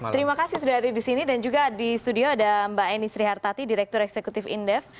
terima kasih sudah ada di sini dan juga di studio ada mbak eni srihartati direktur eksekutif indef